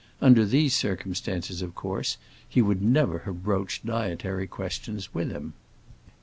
Under these circumstances, of course, he would never have broached dietary questions with him.